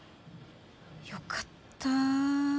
よかった。